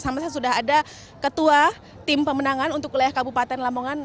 ada ketua tim pemenangan untuk kelayak kabupaten lamongan